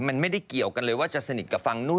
มันไม่ได้เกี่ยวกันเลยว่าจะสนิทกับฝั่งนู้น